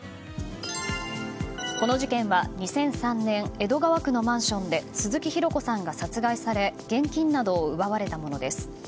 この事件は２００３年江戸川区のマンションで鈴木弘子さんが殺害され現金などを奪われたものです。